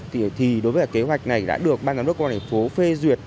thì đối với kế hoạch này đã được ban giám đốc công an hải phố phê duyệt